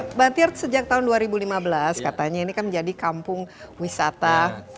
mbak tiar sejak tahun dua ribu lima belas katanya ini kan menjadi kampung wisata